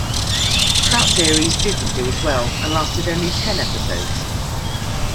That series didn't do as well, and lasted only ten episodes.